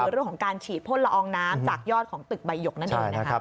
เรื่องของการฉีดพ่นละอองน้ำจากยอดของตึกใบหยกนั่นเองนะครับ